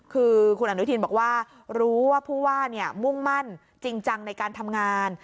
คือคุณอนุทินบอกว่ารู้ว่าผู้ว่ามุ่งมั่นจริงจังในการทำงาน